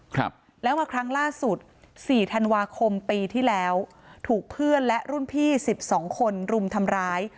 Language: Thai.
ครับแล้วมาครั้งล่าสุดสี่ธันวาคมปีที่แล้วถูกเพื่อนและรุ่นพี่สิบสองคนรุมทำร้าย